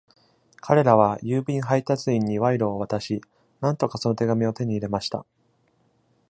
彼らは郵便配達員に賄賂を渡し、なんとかその手紙を手に入れました。